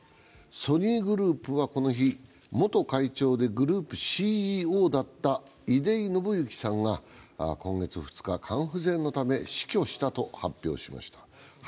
ソニーグループはこの日グループＣＥＯだった出井伸之さんが今月２日、肝不全のため死去したと発表しました。